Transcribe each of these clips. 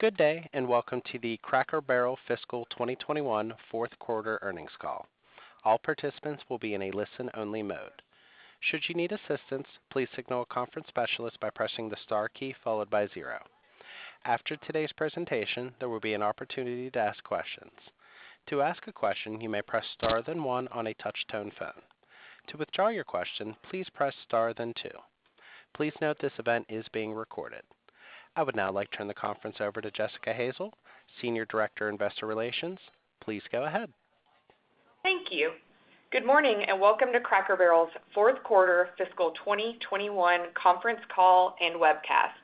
Good day, and welcome to the Cracker Barrel Fiscal 2021 Fourth Quarter Earnings Call. All participants will be in a listen-only mode. Should you need assistance, please signal a conference specialist by pressing the star key followed by zero. After today's presentation, there will be an opportunity to ask questions. To ask a question, you may press star then one on a touch-tone phone. To withdraw your question, please press star then two. Please note, this event is being recorded. I would now like to turn the conference over to Jessica Hazel, Senior Director, Investor Relations. Please go ahead. Thank you. Good morning, and welcome to Cracker Barrel's Fourth Quarter Fiscal 2021 Conference Call and Webcast.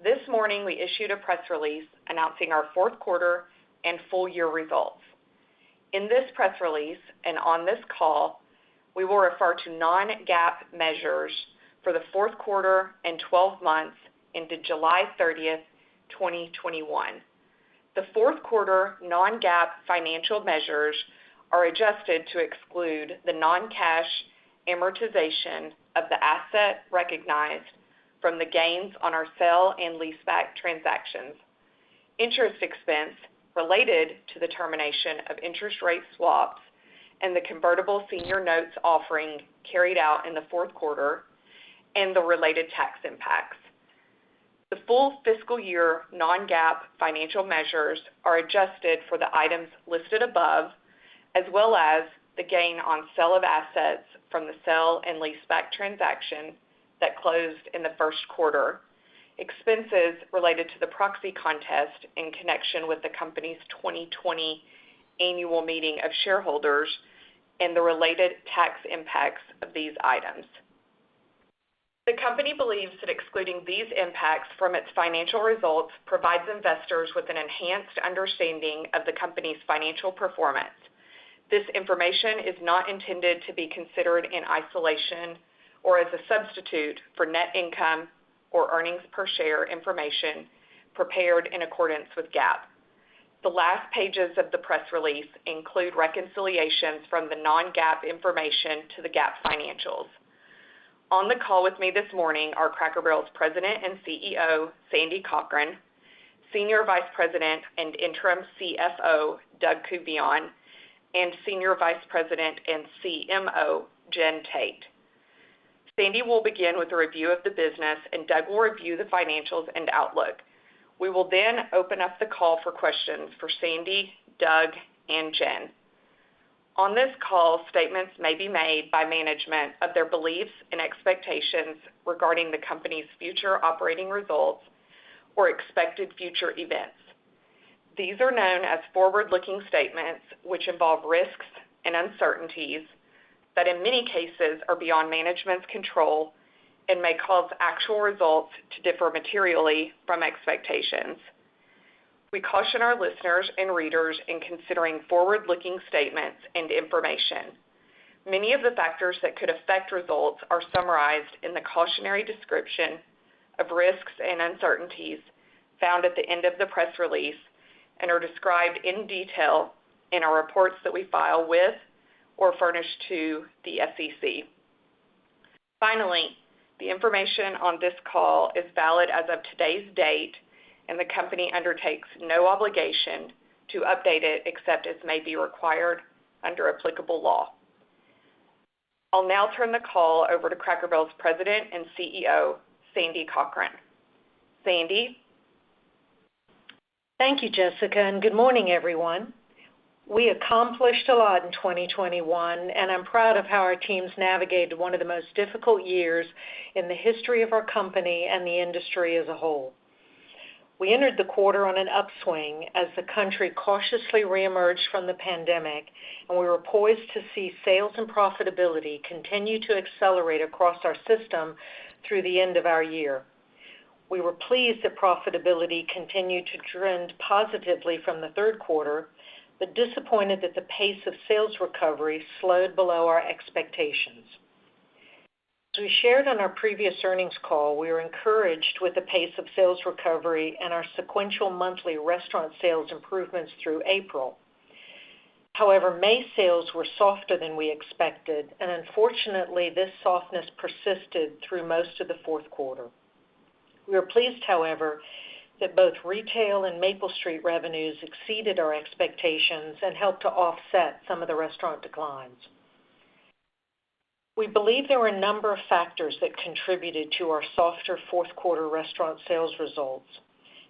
This morning, we issued a press release announcing our fourth quarter and full year results. In this press release and on this call, we will refer to non-GAAP measures for the fourth quarter and 12 months ended July 30th, 2021. The fourth quarter non-GAAP financial measures are adjusted to exclude the non-cash amortization of the asset recognized from the gains on our sale and leaseback transactions, interest expense related to the termination of interest rate swaps and the convertible senior notes offering carried out in the fourth quarter, and the related tax impacts. The full fiscal year non-GAAP financial measures are adjusted for the items listed above, as well as the gain on sale of assets from the sale and leaseback transaction that closed in the first quarter, expenses related to the proxy contest in connection with the company's 2020 annual meeting of shareholders, and the related tax impacts of these items. The company believes that excluding these impacts from its financial results provides investors with an enhanced understanding of the company's financial performance. This information is not intended to be considered in isolation or as a substitute for net income or earnings per share information prepared in accordance with GAAP. The last pages of the press release include reconciliations from the non-GAAP information to the GAAP financials. On the call with me this morning are Cracker Barrel's President and CEO, Sandy Cochran; Senior Vice President and Interim CFO, Doug Couvillion; and Senior Vice President and CMO, Jen Tate. Sandy will begin with a review of the business. Doug will review the financials and outlook. We will then open up the call for questions for Sandy, Doug, and Jen. On this call, statements may be made by management of their beliefs and expectations regarding the company's future operating results or expected future events. These are known as forward-looking statements, which involve risks and uncertainties that in many cases are beyond management's control and may cause actual results to differ materially from expectations. We caution our listeners and readers in considering forward-looking statements and information. Many of the factors that could affect results are summarized in the cautionary description of risks and uncertainties found at the end of the press release and are described in detail in our reports that we file with or furnish to the SEC. The information on this call is valid as of today's date, and the company undertakes no obligation to update it except as may be required under applicable law. I'll now turn the call over to Cracker Barrel's President and CEO, Sandy Cochran. Sandy? Thank you, Jessica, and good morning, everyone. We accomplished a lot in 2021, and I'm proud of how our teams navigated one of the most difficult years in the history of our company and the industry as a whole. We entered the quarter on an upswing as the country cautiously reemerged from the pandemic, and we were poised to see sales and profitability continue to accelerate across our system through the end of our year. We were pleased that profitability continued to trend positively from the third quarter, but disappointed that the pace of sales recovery slowed below our expectations. As we shared on our previous earnings call, we were encouraged with the pace of sales recovery and our sequential monthly restaurant sales improvements through April. However, May sales were softer than we expected, and unfortunately, this softness persisted through most of the fourth quarter. We are pleased, however, that both retail and Maple Street revenues exceeded our expectations and helped to offset some of the restaurant declines. We believe there were a number of factors that contributed to our softer fourth quarter restaurant sales results,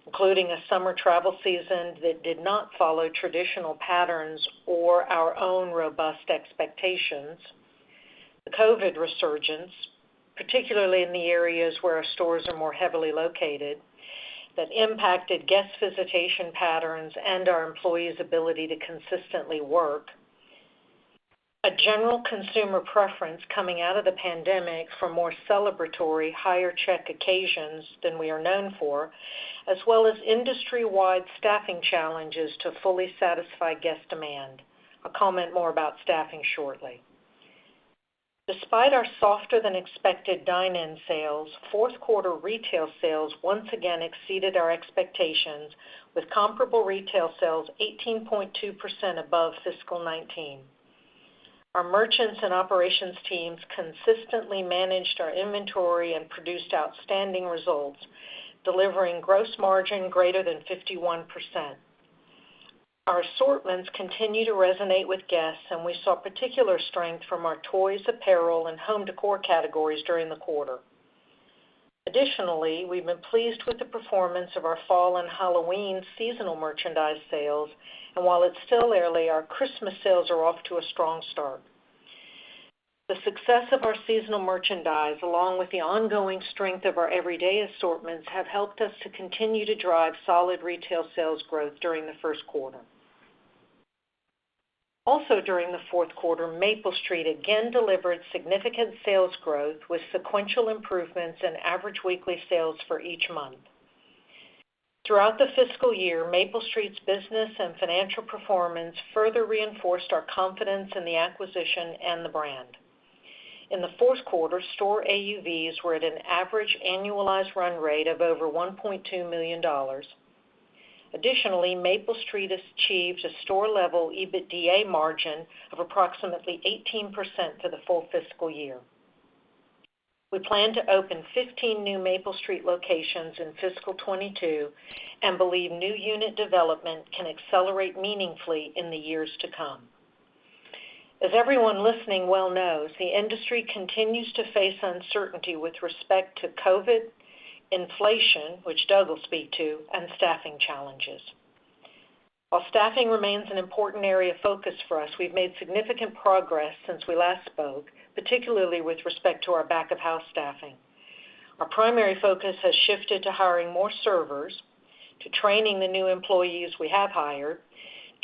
including a summer travel season that did not follow traditional patterns or our own robust expectations. The COVID resurgence, particularly in the areas where our stores are more heavily located, that impacted guest visitation patterns and our employees' ability to consistently work. A general consumer preference coming out of the pandemic for more celebratory, higher-check occasions than we are known for, as well as industry-wide staffing challenges to fully satisfy guest demand. I'll comment more about staffing shortly. Despite our softer-than-expected dine-in sales, fourth quarter retail sales once again exceeded our expectations, with comparable retail sales 18.2% above fiscal 2019. Our merchants and operations teams consistently managed our inventory and produced outstanding results, delivering gross margin greater than 51%. Our assortments continue to resonate with guests, and we saw particular strength from our toys, apparel, and home decor categories during the quarter. Additionally, we've been pleased with the performance of our fall and Halloween seasonal merchandise sales, and while it's still early, our Christmas sales are off to a strong start. The success of our seasonal merchandise, along with the ongoing strength of our everyday assortments, have helped us to continue to drive solid retail sales growth during the first quarter. Also during the fourth quarter, Maple Street again delivered significant sales growth with sequential improvements in average weekly sales for each month. Throughout the fiscal year, Maple Street's business and financial performance further reinforced our confidence in the acquisition and the brand. In the fourth quarter, store AUVs were at an average annualized run rate of over $1.2 million. Additionally, Maple Street achieved a store-level EBITDA margin of approximately 18% for the full fiscal year. We plan to open 15 new Maple Street locations in fiscal 2022, and believe new unit development can accelerate meaningfully in the years to come. As everyone listening well knows, the industry continues to face uncertainty with respect to COVID-19, inflation, which Doug will speak to, and staffing challenges. While staffing remains an important area of focus for us, we've made significant progress since we last spoke, particularly with respect to our back-of-house staffing. Our primary focus has shifted to hiring more servers, to training the new employees we have hired,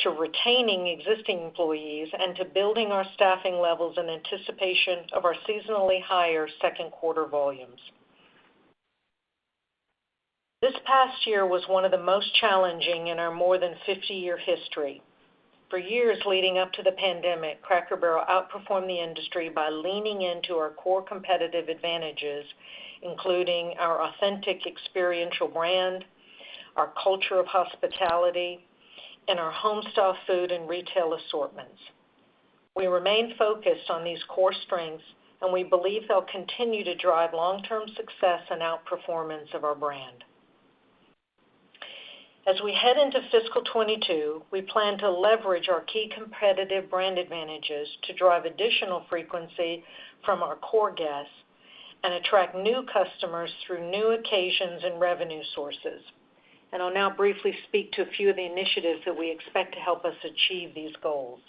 to retaining existing employees, and to building our staffing levels in anticipation of our seasonally higher second quarter volumes. This past year was one of the most challenging in our more than 50-year history. For years leading up to the pandemic, Cracker Barrel outperformed the industry by leaning into our core competitive advantages, including our authentic experiential brand, our culture of hospitality, and our home-style food and retail assortments. We remain focused on these core strengths, and we believe they'll continue to drive long-term success and outperformance of our brand. As we head into fiscal 2022, we plan to leverage our key competitive brand advantages to drive additional frequency from our core guests and attract new customers through new occasions and revenue sources. I'll now briefly speak to a few of the initiatives that we expect to help us achieve these goals.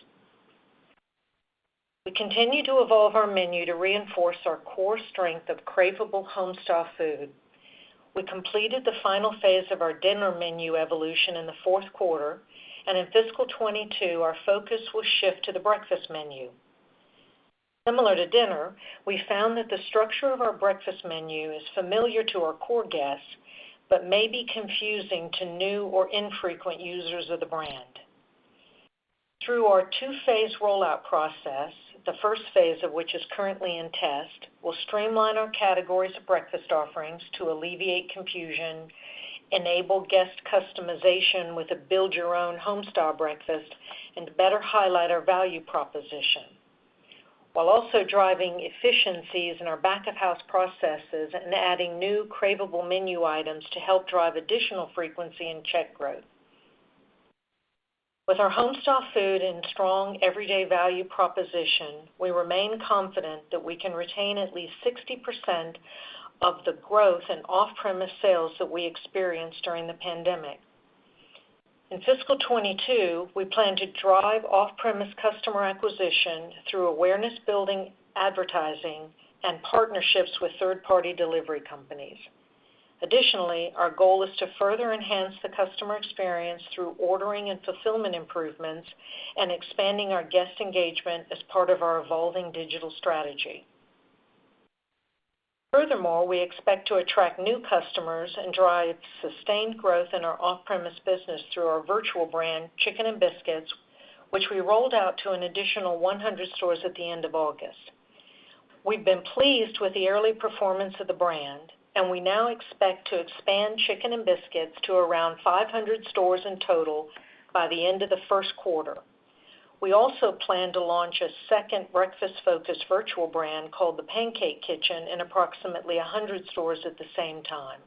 We continue to evolve our menu to reinforce our core strength of craveable home-style food. We completed the final phase of our dinner menu evolution in the fourth quarter, and in fiscal 2022, our focus will shift to the breakfast menu. Similar to dinner, we found that the structure of our breakfast menu is familiar to our core guests, but may be confusing to new or infrequent users of the brand. Through our two-phase rollout process, the first phase of which is currently in test, we'll streamline our categories of breakfast offerings to alleviate confusion, enable guest customization with a build-your-own home-style breakfast, and to better highlight our value proposition, while also driving efficiencies in our back-of-house processes and adding new craveable menu items to help drive additional frequency and check growth. With our home-style food and strong everyday value proposition, we remain confident that we can retain at least 60% of the growth in off-premise sales that we experienced during the pandemic. In fiscal 2022, we plan to drive off-premise customer acquisition through awareness building, advertising, and partnerships with third-party delivery companies. Additionally, our goal is to further enhance the customer experience through ordering and fulfillment improvements and expanding our guest engagement as part of our evolving digital strategy. Furthermore, we expect to attract new customers and drive sustained growth in our off-premise business through our virtual brand, Chicken 'n Biscuits, which we rolled out to an additional 100 stores at the end of August. We've been pleased with the early performance of the brand, and we now expect to expand Chicken 'n Biscuits to around 500 stores in total by the end of the first quarter. We also plan to launch a second breakfast-focused virtual brand called The Pancake Kitchen in approximately 100 stores at the same time.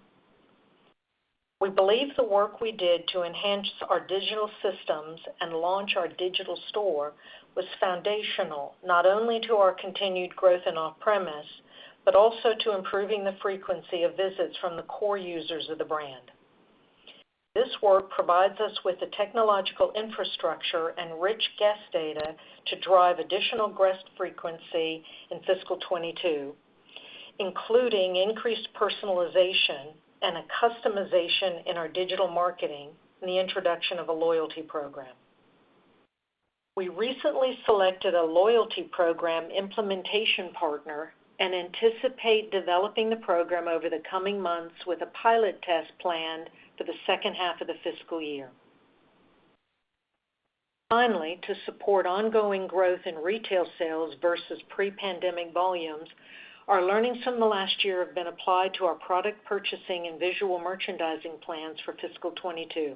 We believe the work we did to enhance our digital systems and launch our digital store was foundational, not only to our continued growth in off-premise, but also to improving the frequency of visits from the core users of the brand. This work provides us with the technological infrastructure and rich guest data to drive additional guest frequency in fiscal 2022, including increased personalization and a customization in our digital marketing and the introduction of a loyalty program. We recently selected a loyalty program implementation partner and anticipate developing the program over the coming months with a pilot test planned for the second half of the fiscal year. To support ongoing growth in retail sales versus pre-pandemic volumes, our learnings from the last year have been applied to our product purchasing and visual merchandising plans for fiscal 2022.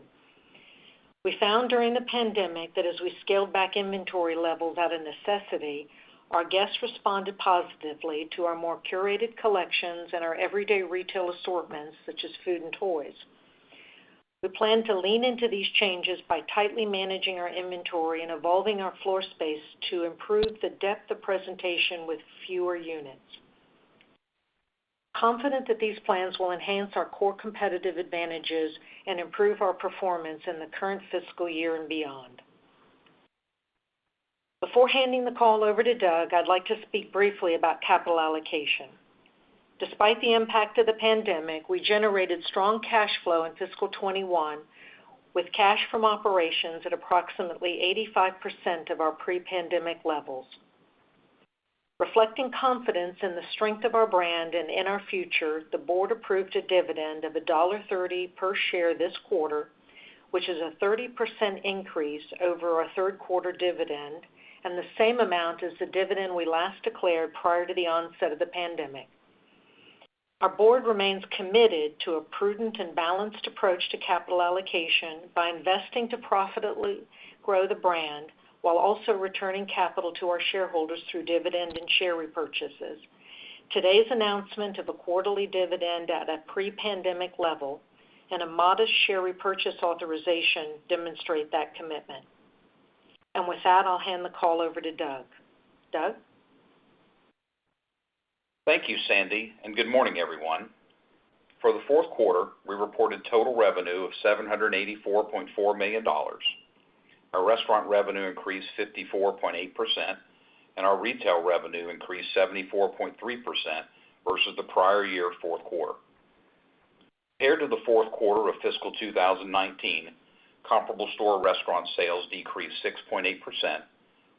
We found during the pandemic that as we scaled back inventory levels out of necessity, our guests responded positively to our more curated collections and our everyday retail assortments such as food and toys. We plan to lean into these changes by tightly managing our inventory and evolving our floor space to improve the depth of presentation with fewer units, confident that these plans will enhance our core competitive advantages and improve our performance in the current fiscal year and beyond. Before handing the call over to Doug, I'd like to speak briefly about capital allocation. Despite the impact of the pandemic, we generated strong cash flow in fiscal 2021 with cash from operations at approximately 85% of our pre-pandemic levels. Reflecting confidence in the strength of our brand and in our future, the board approved a dividend of $1.30 per share this quarter, which is a 30% increase over our third quarter dividend and the same amount as the dividend we last declared prior to the onset of the pandemic. Our board remains committed to a prudent and balanced approach to capital allocation by investing to profitably grow the brand, while also returning capital to our shareholders through dividend and share repurchases. Today's announcement of a quarterly dividend at a pre-pandemic level and a modest share repurchase authorization demonstrate that commitment. With that, I'll hand the call over to Doug. Doug? Thank you, Sandy, and good morning, everyone. For the fourth quarter, we reported total revenue of $784.4 million. Our restaurant revenue increased 54.8%, and our retail revenue increased 74.3% versus the prior year fourth quarter. Compared to the fourth quarter of fiscal 2019, comparable store restaurant sales decreased 6.8%,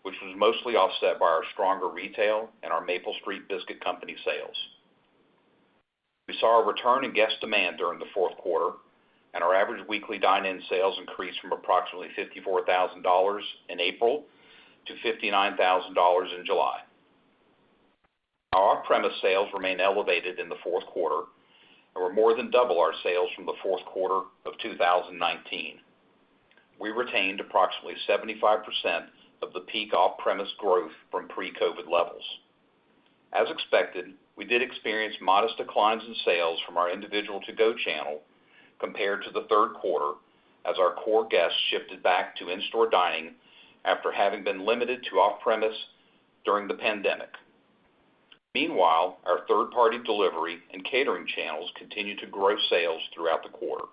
which was mostly offset by our stronger retail and our Maple Street Biscuit Company sales. We saw a return in guest demand during the fourth quarter, and our average weekly dine-in sales increased from approximately $54,000 in April to $59,000 in July. Our off-premise sales remained elevated in the fourth quarter and were more than double our sales from the fourth quarter of 2019. We retained approximately 75% of the peak off-premise growth from pre-COVID-19 levels. As expected, we did experience modest declines in sales from our individual one to-go channel compared to the third quarter as our core guests shifted back to in-store dining after having been limited to off-premise during the pandemic. Meanwhile, our third-party delivery and catering channels continued to grow sales throughout the quarter.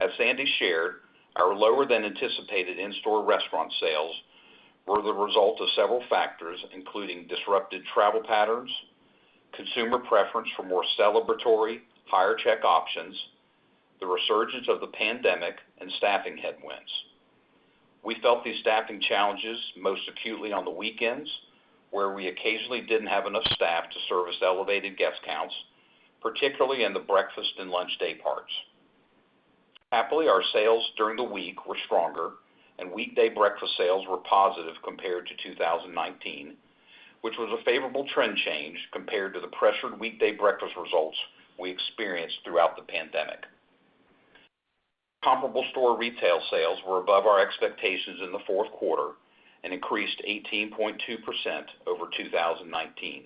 As Sandy shared, our lower-than-anticipated in-store restaurant sales were the result of several factors, including disrupted travel patterns, consumer preference for more celebratory, higher-check options, the resurgence of the pandemic, and staffing headwinds. We felt these staffing challenges most acutely on the weekends, where we occasionally didn't have enough staff to service elevated guest counts, particularly in the breakfast and lunch day parts. Happily, our sales during the week were stronger, and weekday breakfast sales were positive compared to 2019, which was a favorable trend change compared to the pressured weekday breakfast results we experienced throughout the pandemic. Comparable store retail sales were above our expectations in the fourth quarter and increased 18.2% over 2019.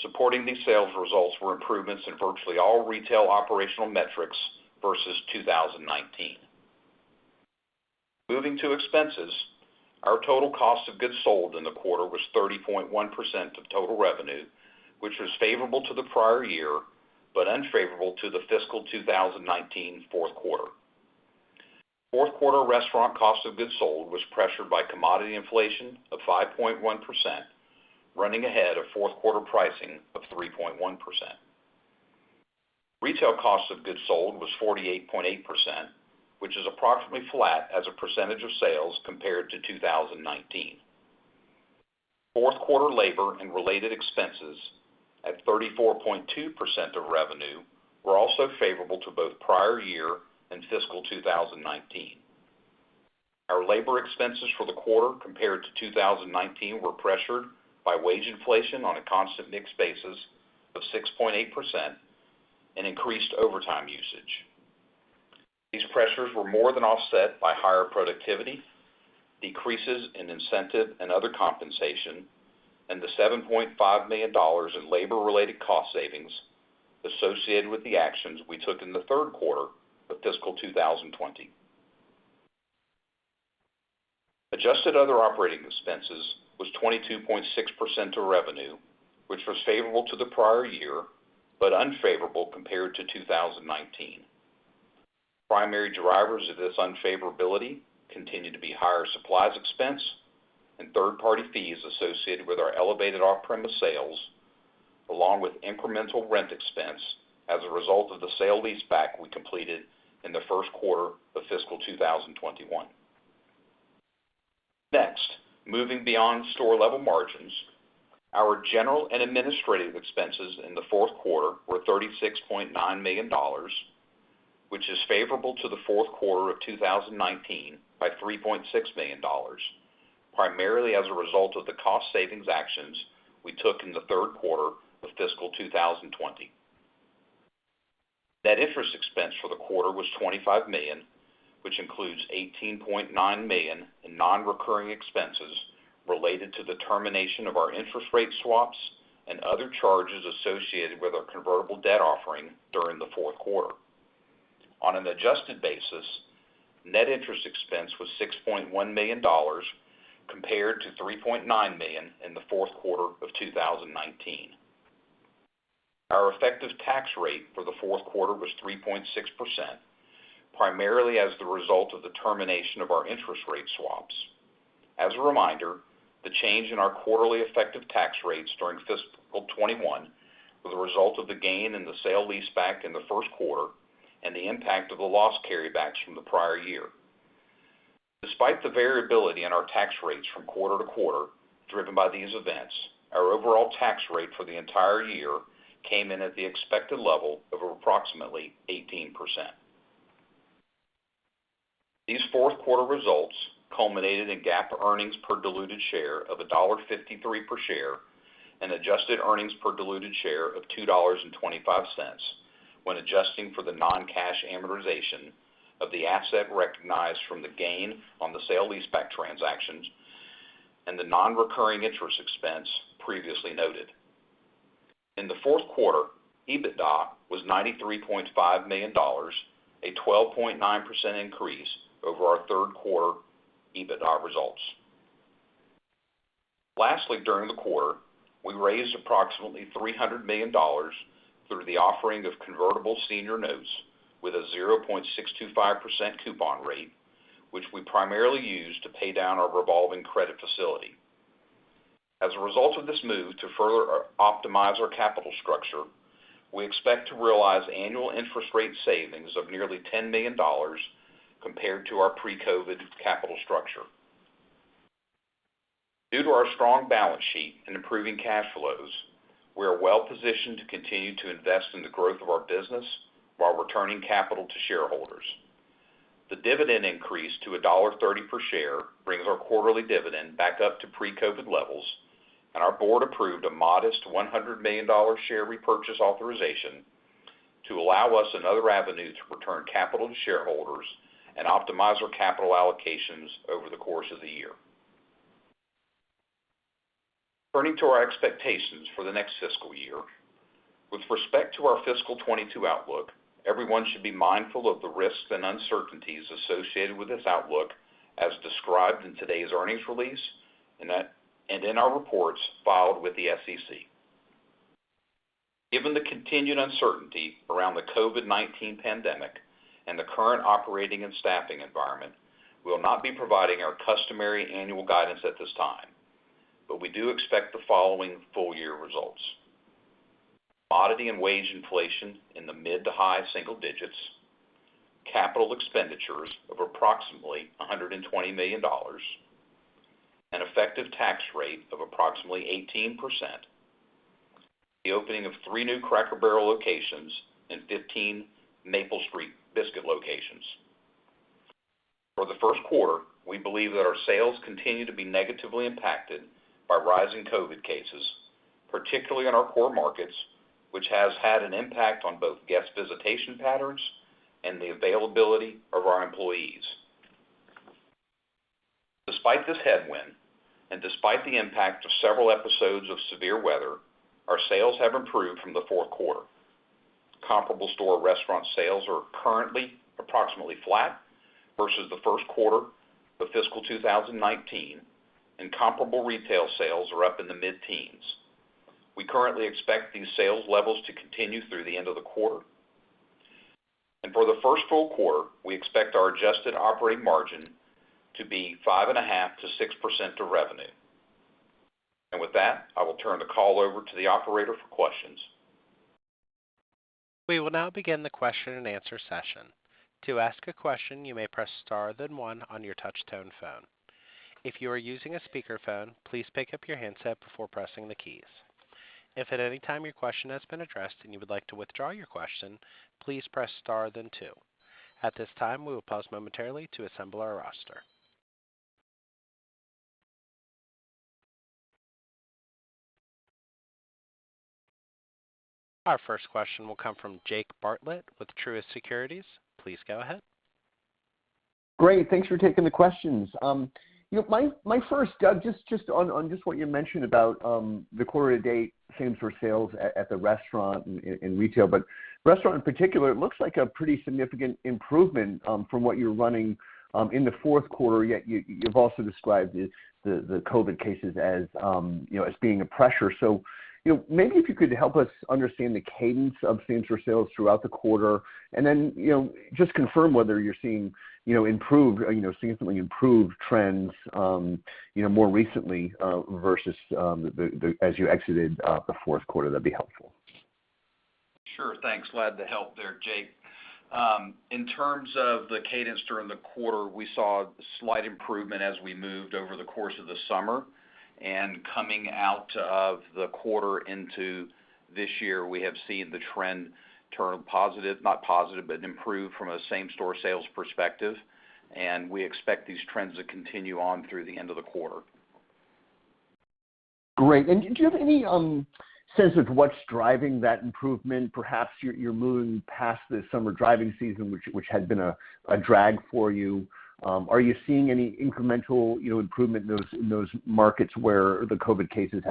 Supporting these sales results were improvements in virtually all retail operational metrics versus 2019. Moving to expenses, our total cost of goods sold in the quarter was 30.1% of total revenue, which was favorable to the prior year, but unfavorable to the fiscal 2019 fourth quarter. Fourth quarter restaurant cost of goods sold was pressured by commodity inflation of 5.1%, running ahead of fourth quarter pricing of 3.1%. Retail cost of goods sold was 48.8%, which is approximately flat as a percentage of sales compared to 2019. Fourth quarter labor and related expenses at 34.2% of revenue were also favorable to both prior year and fiscal 2019. Our labor expenses for the quarter compared to 2019 were pressured by wage inflation on a constant mix basis of 6.8% and increased overtime usage. These pressures were more than offset by higher productivity, decreases in incentive and other compensation, and the $7.5 million in labor-related cost savings associated with the actions we took in the third quarter of fiscal 2020. Adjusted other operating expenses was 22.6% of revenue, which was favorable to the prior year, unfavorable compared to 2019. Primary drivers of this unfavorability continued to be higher supplies expense and third-party fees associated with our elevated off-premise sales, along with incremental rent expense as a result of the sale leaseback we completed in the first quarter of fiscal 2021. Moving beyond store-level margins, our general and administrative expenses in the fourth quarter were $36.9 million, which is favorable to the fourth quarter of 2019 by $3.6 million. Primarily as a result of the cost savings actions we took in the third quarter of fiscal 2020. Net interest expense for the quarter was $25 million, which includes $18.9 million in non-recurring expenses related to the termination of our interest rate swaps and other charges associated with our convertible debt offering during the fourth quarter. On an adjusted basis, net interest expense was $6.1 million compared to $3.9 million in the fourth quarter of 2019. Our effective tax rate for the fourth quarter was 3.6%, primarily as the result of the termination of our interest rate swaps. As a reminder, the change in our quarterly effective tax rates during fiscal 2021 were the result of the gain in the sale leaseback in the first quarter, and the impact of the loss carrybacks from the prior year. Despite the variability in our tax rates from quarter to quarter, driven by these events, our overall tax rate for the entire year came in at the expected level of approximately 18%. These fourth quarter results culminated in GAAP earnings per diluted share of $1.53 per share and adjusted earnings per diluted share of $2.25 when adjusting for the non-cash amortization of the asset recognized from the gain on the sale leaseback transactions and the non-recurring interest expense previously noted. In the fourth quarter, EBITDA was $93.5 million, a 12.9% increase over our third quarter EBITDA results. Lastly, during the quarter, we raised approximately $300 million through the offering of convertible senior notes with a 0.625% coupon rate, which we primarily used to pay down our revolving credit facility. As a result of this move to further optimize our capital structure, we expect to realize annual interest rate savings of nearly $10 million compared to our pre-COVID-19 capital structure. Due to our strong balance sheet and improving cash flows, we are well positioned to continue to invest in the growth of our business while returning capital to shareholders. The dividend increase to $1.30 per share brings our quarterly dividend back up to pre-COVID-19 levels. Our board approved a modest $100 million share repurchase authorization to allow us another avenue to return capital to shareholders and optimize our capital allocations over the course of the year. Turning to our expectations for the next fiscal year. With respect to our fiscal 2022 outlook, everyone should be mindful of the risks and uncertainties associated with this outlook as described in today's earnings release and in our reports filed with the SEC. Given the continued uncertainty around the COVID-19 pandemic and the current operating and staffing environment, we will not be providing our customary annual guidance at this time. We do expect the following full year results. Modest wage inflation in the mid to high single digits, capital expenditures of approximately $120 million, an effective tax rate of approximately 18%, the opening of three new Cracker Barrel locations and 15 Maple Street Biscuit locations. For the first quarter, we believe that our sales continue to be negatively impacted by rising COVID cases, particularly in our core markets, which has had an impact on both guest visitation patterns and the availability of our employees. Despite this headwind, and despite the impact of several episodes of severe weather, our sales have improved from the fourth quarter. Comparable store restaurant sales are currently approximately flat versus the first quarter of fiscal 2019, comparable retail sales are up in the mid-teens. We currently expect these sales levels to continue through the end of the quarter. For the first full quarter, we expect our adjusted operating margin to be 5.5%-6% of revenue. With that, I will turn the call over to the operator for questions. We will now begin the question and answer session. To ask a question, you may press star then one on your touchtone phone. If you are using a speakerphone, please pick up your handset before pressing the keys. If at any time your question has been addressed and you would like to withdraw your question, please press star then two. At this time, we will pause momentarily to assemble our roster. Our first question will come from Jake Bartlett with Truist Securities. Please go ahead. Great, thanks for taking the questions. My first, Doug, on just what you mentioned about the quarter-to-date same-store sales at the restaurant and retail. Restaurant in particular, it looks like a pretty significant improvement from what you're running in the fourth quarter, yet you've also described the COVID cases as being a pressure. Maybe if you could help us understand the cadence of same-store sales throughout the quarter and then just confirm whether you're seeing significantly improved trends more recently versus as you exited the fourth quarter, that'd be helpful. Sure. Thanks. Glad to help there, Jake. In terms of the cadence during the quarter, we saw a slight improvement as we moved over the course of the summer. Coming out of the quarter into this year, we have seen the trend turn positive, not positive, but improved from a same store sales perspective, and we expect these trends to continue on through the end of the quarter. Great. Do you have any sense of what's driving that improvement? Perhaps you're moving past the summer driving season, which had been a drag for you. Are you seeing any incremental improvement in those markets where the COVID cases,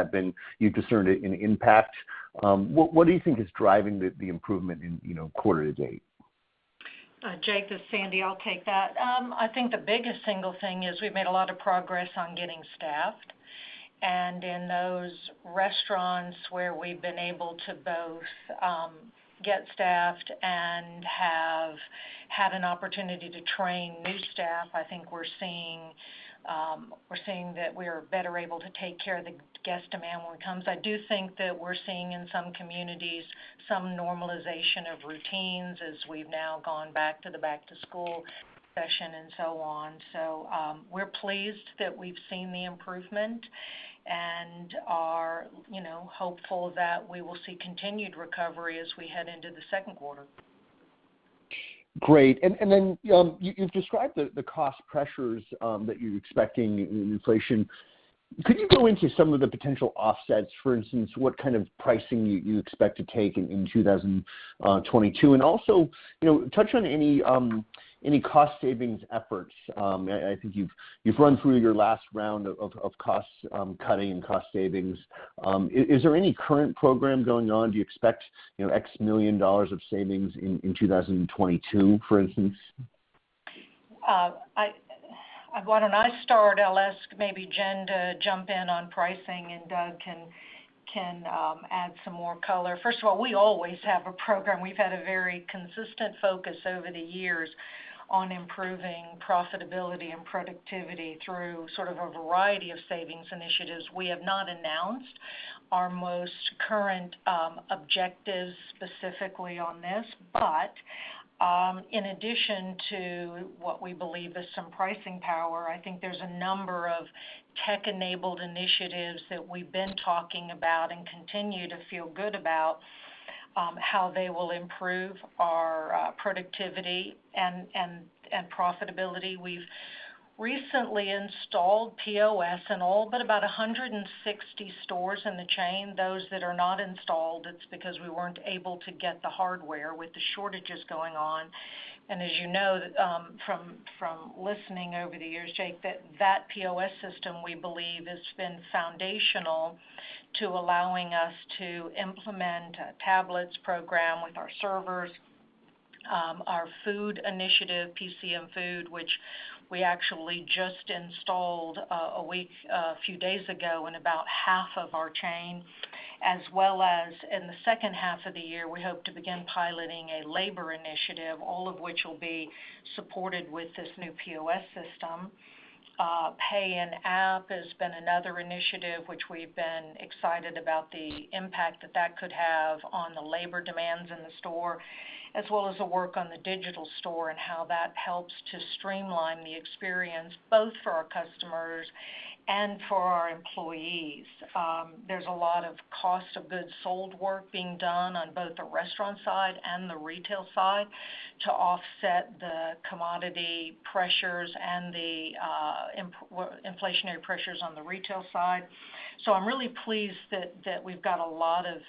you've discerned an impact? What do you think is driving the improvement in quarter to date? Jake, this is Sandy. I'll take that. I think the biggest single thing is we've made a lot of progress on getting staffed. In those restaurants where we've been able to both get staffed and have had an opportunity to train new staff, I think we're seeing that we're better able to take care of the guest demand when it comes. I do think that we're seeing, in some communities, some normalization of routines as we've now gone back to the back to school session and so on. We're pleased that we've seen the improvement and are hopeful that we will see continued recovery as we head into the second quarter. Great. You've described the cost pressures that you're expecting in inflation. Could you go into some of the potential offsets? For instance, what kind of pricing you expect to take in 2022, and also touch on any cost savings efforts. I think you've run through your last round of cost cutting and cost savings. Is there any current program going on? Do you expect X million dollars of savings in 2022, for instance? Why don't I start? I'll ask maybe Jen to jump in on pricing, and Doug can add some more color. First of all, we always have a program. We've had a very consistent focus over the years on improving profitability and productivity through sort of a variety of savings initiatives. We have not announced our most current objectives specifically on this. In addition to what we believe is some pricing power, I think there's a number of tech-enabled initiatives that we've been talking about and continue to feel good about how they will improve our productivity and profitability. We've recently installed POS in all but about 160 stores in the chain. Those that are not installed, it's because we weren't able to get the hardware with the shortages going on. As you know from listening over the years, Jake, that POS system, we believe, has been foundational to allowing us to implement a tablets program with our servers, our food initiative, PCM Food, which we actually just installed a few days ago in about half of our chain. As well as in the second half of the year, we hope to begin piloting a labor initiative, all of which will be supported with this new POS system. Pay in App has been another initiative, which we've been excited about the impact that that could have on the labor demands in the store, as well as the work on the digital store and how that helps to streamline the experience, both for our customers and for our employees. There's a lot of cost of goods sold work being done on both the restaurant side and the retail side to offset the commodity pressures and the inflationary pressures on the retail side. I'm really pleased that we've got a lot of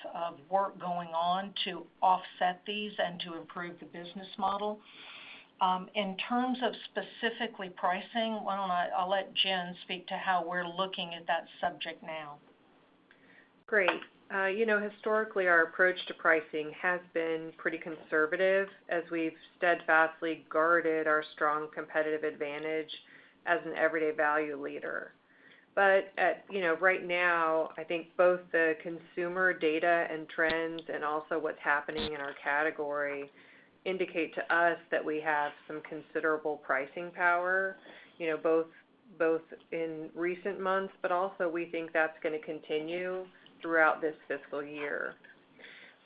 work going on to offset these and to improve the business model. In terms of specifically pricing, why don't I let Jen speak to how we're looking at that subject now. Great. Historically, our approach to pricing has been pretty conservative as we've steadfastly guarded our strong competitive advantage as an everyday value leader. Right now, I think both the consumer data and trends and also what's happening in our category indicate to us that we have some considerable pricing power, both in recent months, but also we think that's going to continue throughout this fiscal year.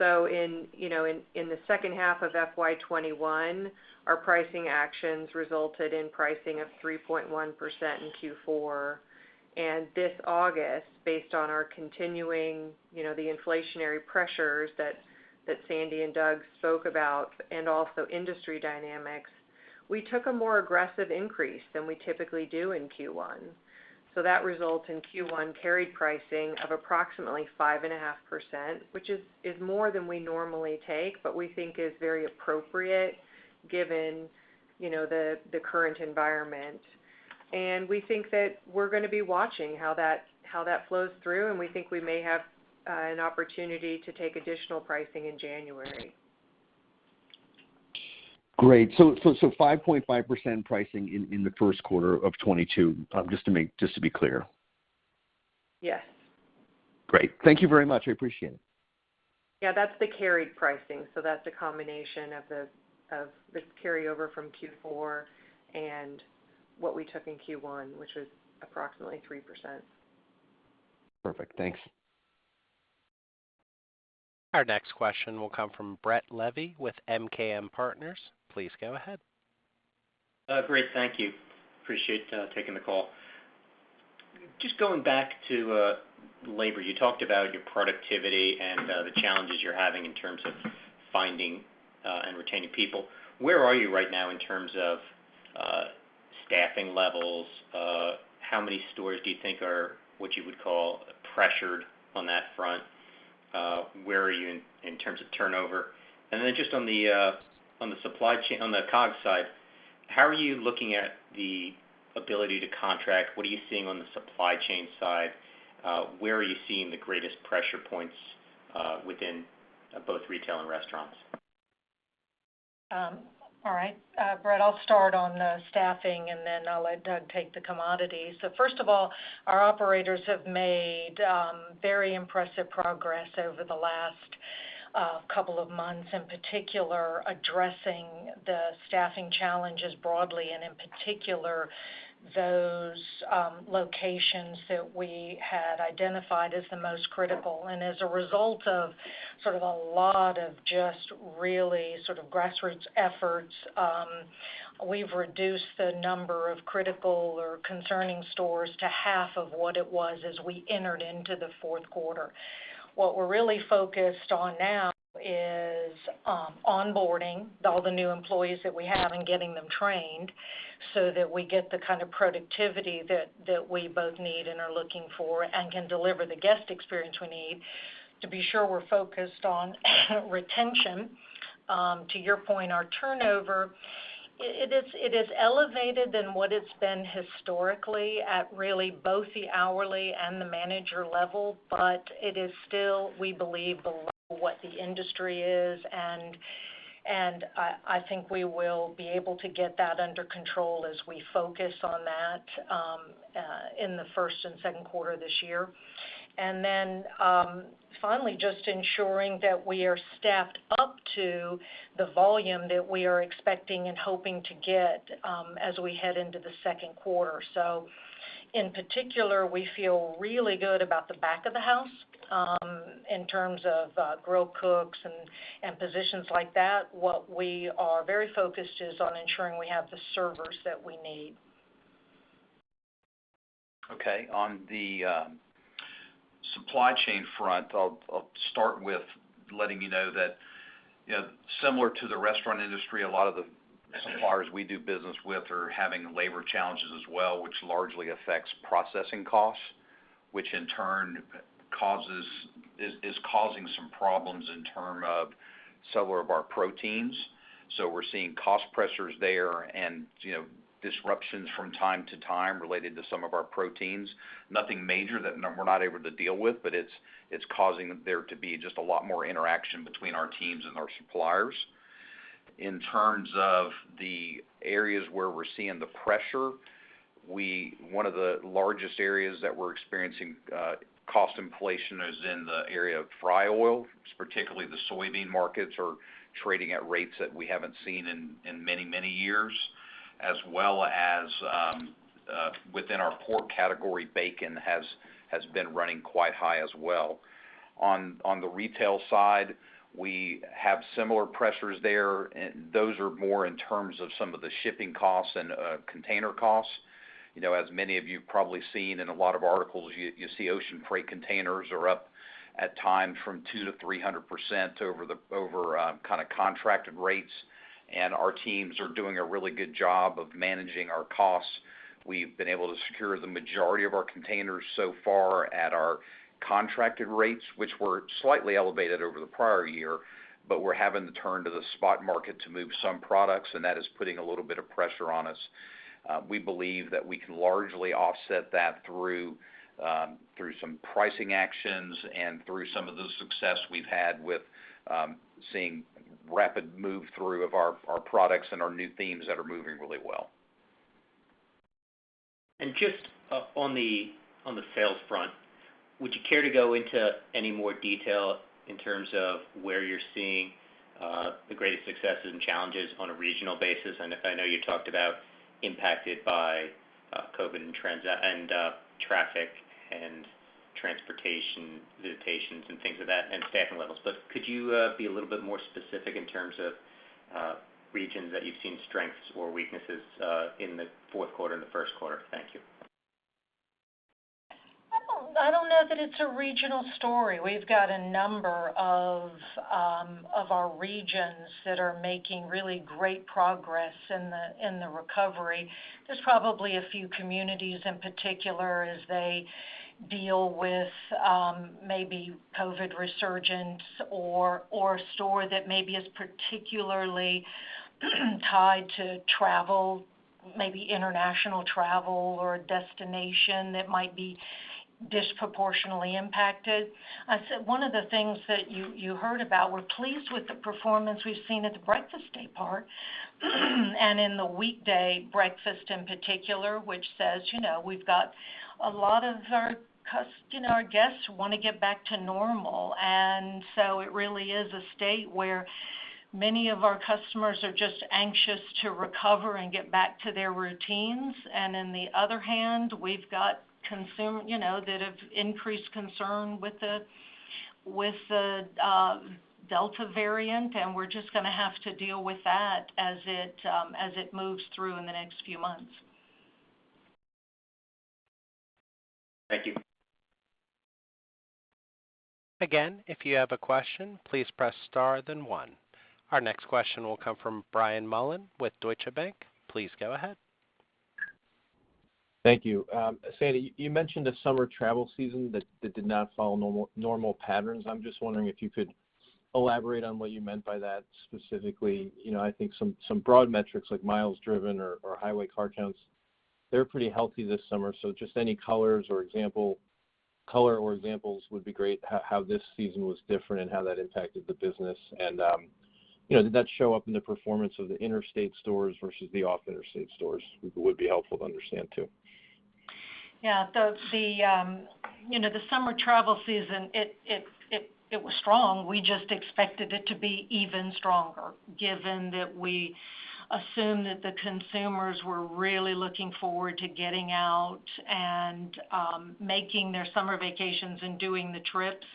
In the second half of FY 2021, our pricing actions resulted in pricing of 3.1% in Q4. This August, based on our continuing, the inflationary pressures that Sandy and Doug spoke about and also industry dynamics, we took a more aggressive increase than we typically do in Q1. That results in Q1 carried pricing of approximately 5.5%, which is more than we normally take, but we think is very appropriate given the current environment. We think that we're going to be watching how that flows through, and we think we may have an opportunity to take additional pricing in January. Great. 5.5% pricing in the first quarter of 2022, just to be clear. Yes. Great. Thank you very much. I appreciate it. Yeah, that's the carried pricing. That's a combination of the carryover from Q4 and what we took in Q1, which was approximately 3%. Perfect. Thanks. Our next question will come from Brett Levy with MKM Partners. Please go ahead. Great. Thank you. Appreciate taking the call. Just going back to labor, you talked about your productivity and the challenges you're having in terms of finding and retaining people. Where are you right now in terms of staffing levels, how many stores do you think are what you would call pressured on that front? Where are you in terms of turnover? Just on the COGS side, how are you looking at the ability to contract? What are you seeing on the supply chain side? Where are you seeing the greatest pressure points within both retail and restaurants? All right. Brett, I'll start on the staffing, and then I'll let Doug take the Commodities. First of all, our operators have made very impressive progress over the last couple of months, in particular addressing the staffing challenges broadly, and in particular, those locations that we had identified as the most critical. As a result of a lot of just really grassroots efforts, we've reduced the number of critical or concerning stores to half of what it was as we entered into the fourth quarter. What we're really focused on now is onboarding all the new employees that we have and getting them trained so that we get the kind of productivity that we both need and are looking for and can deliver the guest experience we need. To be sure we're focused on retention. To your point, our turnover, it is elevated than what it's been historically at really both the hourly and the manager level, but it is still, we believe, below what the industry is, and I think we will be able to get that under control as we focus on that in the first and second quarter this year. Finally, just ensuring that we are staffed up to the volume that we are expecting and hoping to get as we head into the second quarter. In particular, we feel really good about the back of the house in terms of grill cooks and positions like that. What we are very focused is on ensuring we have the servers that we need. On the supply chain front, I'll start with letting you know that similar to the restaurant industry, a lot of the suppliers we do business with are having labor challenges as well, which largely affects processing costs, which in turn is causing some problems in terms of some of our proteins. We're seeing cost pressures there and disruptions from time to time related to some of our proteins. Nothing major that we're not able to deal with, but it's causing there to be just a lot more interaction between our teams and our suppliers. In terms of the areas where we're seeing the pressure, one of the largest areas that we're experiencing cost inflation is in the area of fry oil. Particularly the soybean markets are trading at rates that we haven't seen in many, many years, as well as within our pork category, bacon has been running quite high as well. On the retail side, we have similar pressures there. Those are more in terms of some of the shipping costs and container costs. As many of you have probably seen in a lot of articles, you see ocean freight containers are up at times from 2%-300% over contracted rates, and our teams are doing a really good job of managing our costs. We've been able to secure the majority of our containers so far at our contracted rates, which were slightly elevated over the prior year, but we're having to turn to the spot market to move some products, and that is putting a little bit of pressure on us. We believe that we can largely offset that through some pricing actions and through some of the success we've had with seeing rapid move through of our products and our new themes that are moving really well. Just on the sales front, would you care to go into any more detail in terms of where you're seeing the greatest successes and challenges on a regional basis? I know you talked about impacted by COVID and traffic and transportation limitations and things of that, and staffing levels. Could you be a little bit more specific in terms of regions that you've seen strengths or weaknesses in the fourth quarter and the first quarter? Thank you. I don't know that it's a regional story. We've got a number of our regions that are making really great progress in the recovery. There's probably a few communities in particular as they deal with maybe COVID resurgence or a store that maybe is particularly tied to travel, maybe international travel or a destination that might be disproportionately impacted. One of the things that you heard about, we're pleased with the performance we've seen at the breakfast day part and in the weekday breakfast in particular, which says we've got a lot of our guests who want to get back to normal. It really is a state where many of our customers are just anxious to recover and get back to their routines. In the other hand, we've got consumers that have increased concern with the Delta variant, and we're just going to have to deal with that as it moves through in the next few months. Thank you. Again, if you have a question, please press star then one. Our next question will come from Brian Mullan with Deutsche Bank. Please go ahead. Thank you. Sandy, you mentioned the summer travel season that did not follow normal patterns. I'm just wondering if you could elaborate on what you meant by that specifically. I think some broad metrics like miles driven or highway car counts, they're pretty healthy this summer. Just any colors or example, color or examples would be great, how this season was different and how that impacted the business. Did that show up in the performance of the interstate stores versus the off interstate stores, would be helpful to understand too. Yeah. The summer travel season, it was strong. We just expected it to be even stronger given that we assumed that the consumers were really looking forward to getting out and making their summer vacations and doing the trips.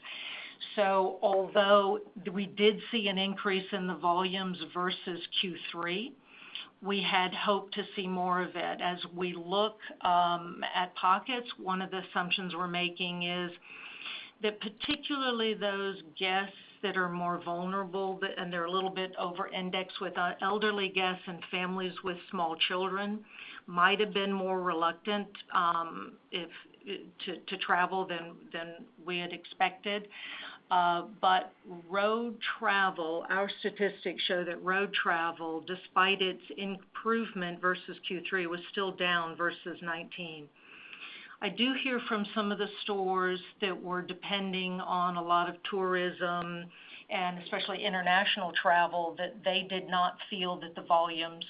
Although we did see an increase in the volumes versus Q3, we had hoped to see more of it. As we look at pockets, one of the assumptions we're making is that particularly those guests that are more vulnerable, and they're a little bit over-indexed with elderly guests and families with small children, might have been more reluctant to travel than we had expected. Road travel, our statistics show that road travel, despite its improvement versus Q3, was still down versus 2019. I do hear from some of the stores that were depending on a lot of tourism and especially international travel, that they did not feel that the volumes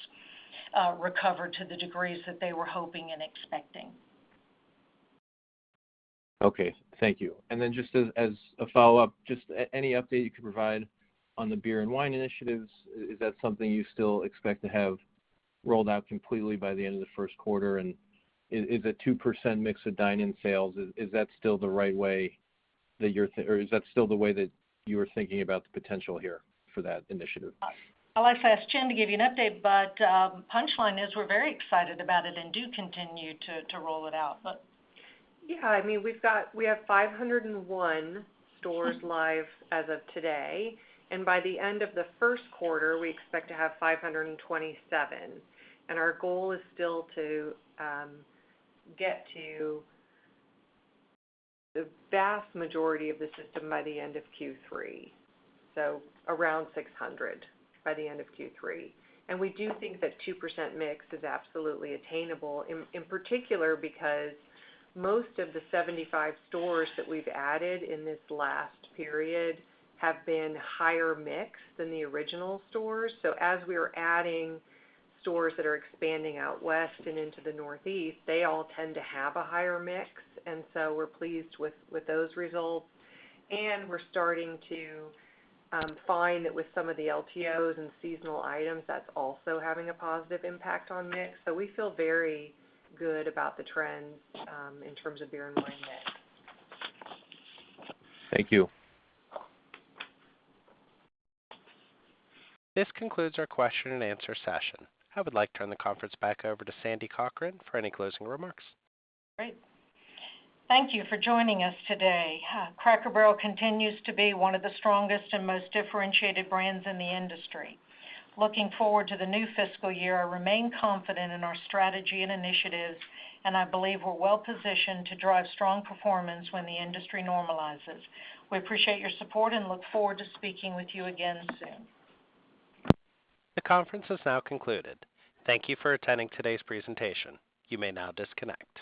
recovered to the degrees that they were hoping and expecting. Okay. Thank you. Just as a follow-up, just any update you could provide on the beer and wine initiatives, is that something you still expect to have rolled out completely by the end of the first quarter? Is a 2% mix of dine-in sales, is that still the way that you are thinking about the potential here for that initiative? I'll ask Jen to give you an update. Punchline is we're very excited about it and do continue to roll it out. Yeah, we have 501 stores live as of today. By the end of the first quarter, we expect to have 527. Our goal is still to get to the vast majority of the system by the end of Q3, so around 600 by the end of Q3. We do think that 2% mix is absolutely attainable, in particular because most of the 75 stores that we've added in this last period have been higher mix than the original stores. As we are adding stores that are expanding out west and into the northeast, they all tend to have a higher mix, and so we're pleased with those results. We're starting to find that with some of the LTO and seasonal items, that's also having a positive impact on mix. We feel very good about the trends, in terms of beer and wine mix. Thank you. This concludes our question and answer session. I would like to turn the conference back over to Sandy Cochran for any closing remarks. Great. Thank you for joining us today. Cracker Barrel continues to be one of the strongest and most differentiated brands in the industry. Looking forward to the new fiscal year, I remain confident in our strategy and initiatives, and I believe we're well positioned to drive strong performance when the industry normalizes. We appreciate your support and look forward to speaking with you again soon. The conference is now concluded. Thank you for attending today's presentation. You may now disconnect.